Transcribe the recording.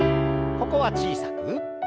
ここは小さく。